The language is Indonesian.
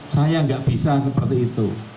saya nggak bisa seperti itu